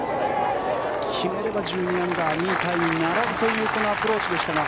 決めれば１２アンダー２位タイに並ぶというこのアプローチでしたが。